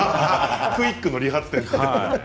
クイックの理髪店さん。